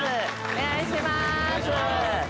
お願いします